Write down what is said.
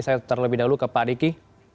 saya terlebih dahulu ke pak diki